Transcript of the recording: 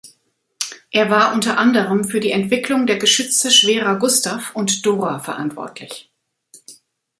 Er war unter anderem für die Entwicklung der Geschütze Schwerer Gustav und Dora verantwortlich.